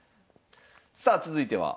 さあ続いては。